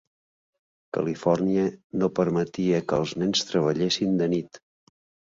Califòrnia no permetia que els nens treballessin de nit.